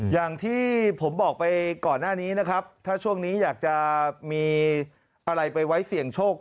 อย่างที่ผมบอกไปก่อนหน้านี้นะครับถ้าช่วงนี้อยากจะมีอะไรไปไว้เสี่ยงโชค